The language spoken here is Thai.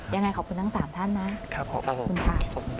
ยังไงขอบคุณทั้ง๓ท่านนะครับขอบคุณค่ะ